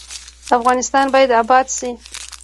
افغانستان باید اباد شي